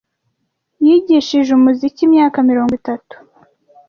Yigishije umuziki imyaka mirongo itatu.